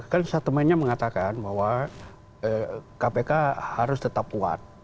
kan satu mainnya mengatakan bahwa kpk harus tetap kuat